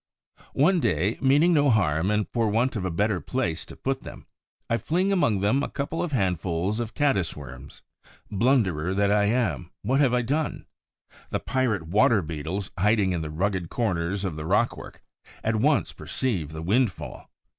One day, meaning no harm and for want of a better place to put them, I fling among them a couple of handfuls of Caddis worms. Blunderer that I am, what have I done! The pirate Water beetles, hiding in the rugged corners of the rockwork, at once perceive the windfall.